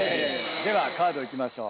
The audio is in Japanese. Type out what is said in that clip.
ではカードいきましょう。